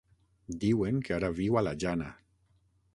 Diuen que ara viu a la Jana.